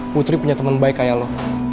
putri punya teman baik kayak lo